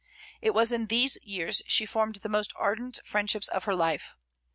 It was in these years she formed the most ardent friendships of her life.